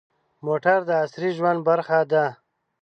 موټر د عصري ژوند برخه ده.